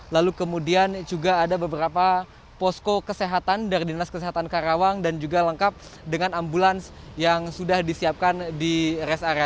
lalu kemudian juga ada beberapa posko kesehatan dari dinas kesehatan karawang dan juga lengkap dengan ambulans yang sudah disiapkan di rest area